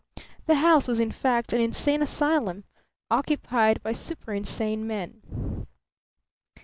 The house was in fact an insane asylum, occupied by super insane men.